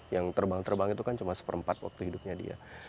yang terbang terbang itu kan cuma satu per empat waktu hidupnya dia